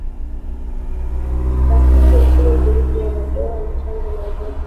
rahisi nchini Uturuki Wanandoa wachanga na wazazi wao